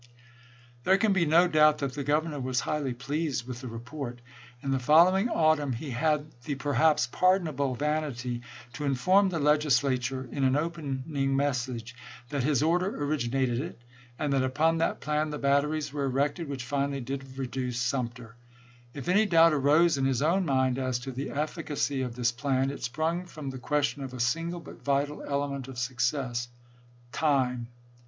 There can be no doubt that the Governor was highly pleased with the report. In the following autumn, he had the perhaps pardonable vanity to ffeSe. inform the Legislature, in an opening message, that Carolina his order originated it, and that " upon that plan joanuS," the batteries were erected which finally did reduce " 32,' 33?' Sumter. If any doubt arose in his own mind as to the efficacy of this plan it sprung from the ques tion of a single but vital element of success — time.